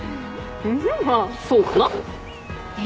まあそうかな。